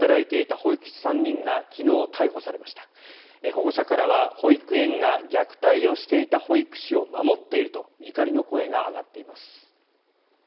保護者からは保育園が虐待をしていた保育士を守っていると怒りの声が上がっています。